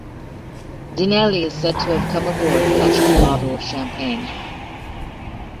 Dinelli is said to have come aboard clutching a bottle of champagne.